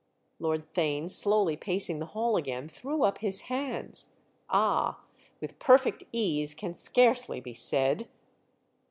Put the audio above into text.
Lord Theign, slowly pacing the hall again, threw up his hands. "Ah, with 'perfect ease' can scarcely be said!"